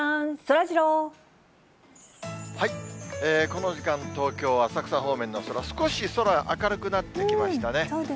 この時間、東京・浅草方面の空、少し空、明るくなってきましたね。